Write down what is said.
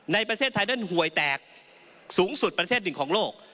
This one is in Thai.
ในประเทศไทยนั้นหวยแตกสูงสุดประเทศหนึ่งของโลก